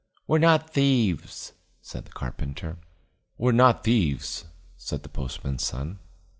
"We're not thieves," said the carpenter. "We're not thieves," said the postman's son.